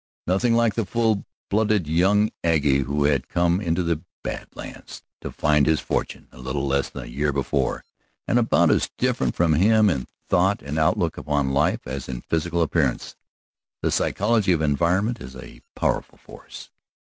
Nothing like the full blooded young aggie who had come into the Bad Lands to found his fortune a little less than a year before, and about as different from him in thought and outlook upon life as in physical appearance. The psychology of environment is a powerful force.